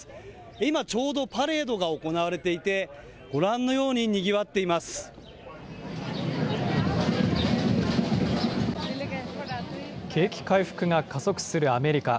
今、ちょうどパレードが行われていて、ご覧のように、にぎわって景気回復が加速するアメリカ。